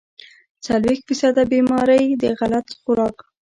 څلوېښت فيصده بيمارۍ د غلط خوراک